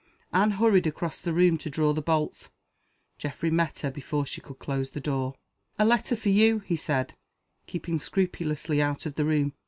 Anne hurried across the room to draw the bolts. Geoffrey met her before she could close the door. "A letter for you," he said, keeping scrupulously out of the room.